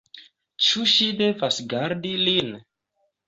Ĉu ŝi devas gardi lin?